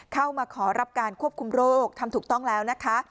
เข้ามาขอรับการควบคุมโรคทำถูกต้องแล้วนะคะ